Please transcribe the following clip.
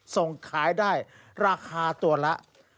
ส่งขายได้ราคาตัวละ